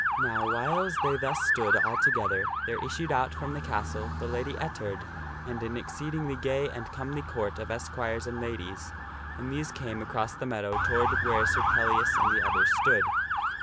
Now whiles they thus stood all together, there issued out from the castle the Lady Ettard and an exceedingly gay and comely Court of esquires and ladies, and these came across the meadow toward where Sir Pellias and the others stood.